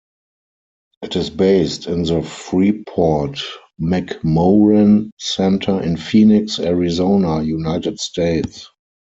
It is based in the Freeport-McMoRan Center, in Phoenix, Arizona, United States.